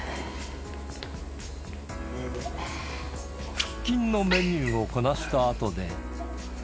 腹筋のメニューをこなしたあとで。